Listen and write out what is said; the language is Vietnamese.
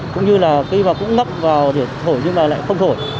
cũng như là khi mà cũng ngấp vào để thổi nhưng mà lại không thổi